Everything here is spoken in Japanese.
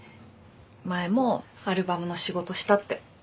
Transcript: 前もアルバムの仕事したって。